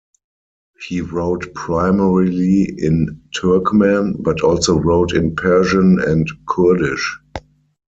He wrote primarily in Turkmen, but also wrote in Persian and Kurdish.